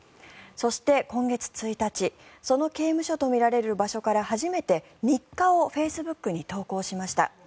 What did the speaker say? そして、今月１日その刑務所とみられる場所から初めて日課をフェイスブックに投稿しました。